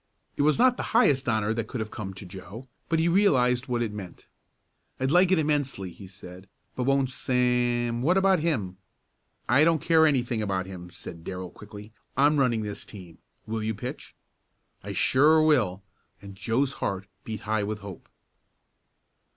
It was not the highest honor that could have come to Joe, but he realized what it meant. "I'd like it immensely," he said, "but won't Sam what about him?" "I don't care anything about him," said Darrell quickly. "I'm running this team. Will you pitch?" "I sure will!" and Joe's heart beat high with hope.